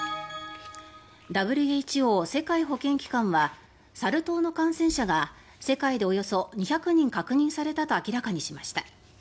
ＷＨＯ・世界保健機関はサル痘の感染者が世界でおよそ２００人確認されたと明らかにしました。